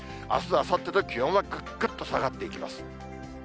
あす、あさってと気温はぐっぐっと下がっていきます。